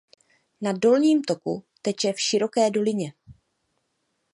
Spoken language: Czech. Na dolním toku teče v široké dolině.